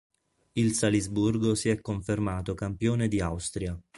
Il Salisburgo si è confermato campione di Austria.